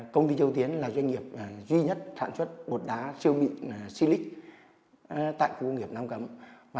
công ty châu tiến là doanh nghiệp duy nhất sản xuất bột đá siêu mịn xy lích tại khu công nghiệp nam cấm